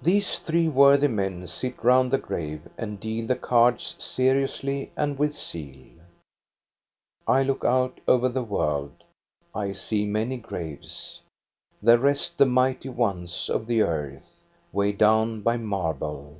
r THE CHURCHYARD 353 These three worthy men sit round the grave and deal the cards seriously and with zeal. I look out over the world, I see many graves. There rest the mighty ones of the earth, weighed down by marble.